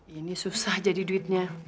ini susah jadi duitnya